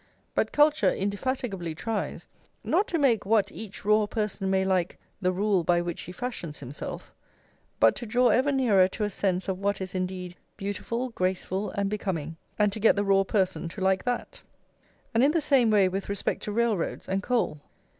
But culture indefatigably tries, not to make what each raw person may like, the rule by which he fashions himself; but to draw ever nearer to a sense of what is indeed beautiful, graceful, and becoming, and to get the raw person to like that. And in the same way with respect to railroads and coal.